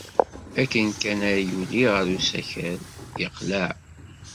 Akken kan ay yuli ɣer usakal, yeqleɛ.